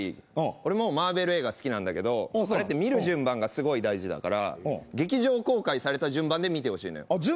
俺もマーベル映画好きなんやけどそれって見る順番がすごい大事だから劇場公開された順番で見てほしいのよ。